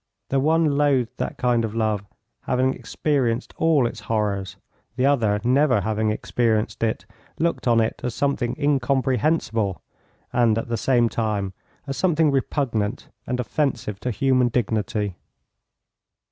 The one loathed that kind of love, having experienced all its horrors, the other, never having experienced it, looked on it as something incomprehensible and at the same time as something repugnant and offensive to human dignity.